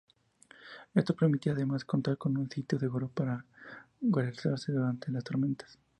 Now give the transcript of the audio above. Esto permitía además contar con un sitio seguro para guarecerse durante las tormentas.